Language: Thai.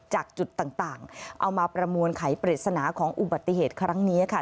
จากจุดต่างเอามาประมวลไขปริศนาของอุบัติเหตุครั้งนี้ค่ะ